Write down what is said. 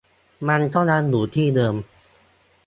มันก็ยังอยู่ที่เดิม